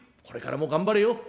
これからも頑張れよ。